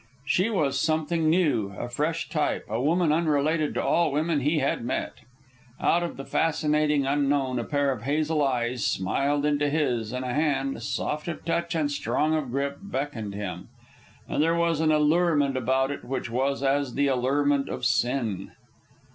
She was something new, a fresh type, a woman unrelated to all women he had met. Out of the fascinating unknown a pair of hazel eyes smiled into his, and a hand, soft of touch and strong of grip, beckoned him. And there was an allurement about it which was as the allurement of sin.